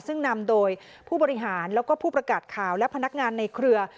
ซึ่งนำโดยผู้บริหารแล้วก็ผู้ประกาศข่าวและพนักงานในเครือ